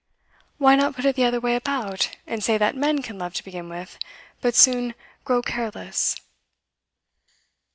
'Why not put it the other way about, and say that men can love to begin with, but so soon grow careless?